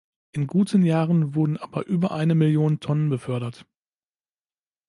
In guten Jahren wurden aber über eine Million Tonnen befördert.